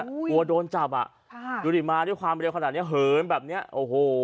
กลัวโดนจับอ่ะค่ะดูดิมาด้วยความเร็วขนาดเนี้ยเหินแบบเนี้ยโอ้โห